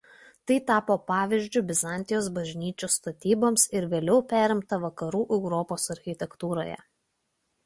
Tai tapo pavyzdžiu Bizantijos bažnyčių statyboms ir vėliau perimta Vakarų Europos architektūroje.